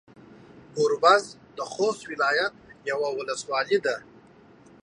ګوربز د خوست ولايت يوه ولسوالي ده.